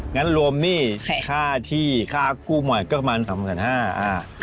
งั้นรวมหนี้ค่าที่ค่ากู้ใหม่ก็ประมาณ๒๕๐๐บาท